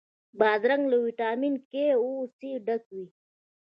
بادرنګ له ویټامین K او C ډک وي.